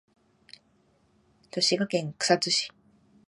滋賀県草津市